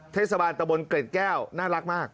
เทศบาลตะบนเกร็ดแก้วน่ารักมาก